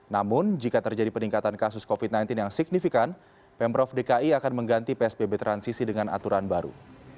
namun jika terjadi peningkatan kasus covid sembilan belas yang signifikan pemprov dki akan mengganti psbb transisi dengan aturan baru